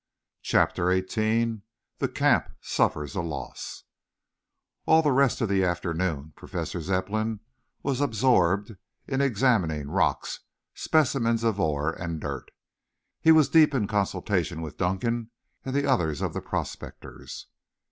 CHAPTER XVIII THE CAMP SUFFERS A LOSS All the rest of the afternoon Professor Zepplin was absorbed in examining rocks, specimens of ore, and dirt. He was deep in consultation with Dunkan and the others of the prospectors.